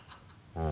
うん。